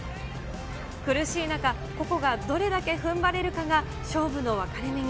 苦しい中、個々がどれだけふんばれるかが勝負の分かれ目に。